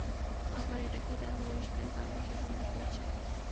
আবার এটাকেই তারা বহিষ্কারের কারণ হিসেবে উল্লেখ করেছে।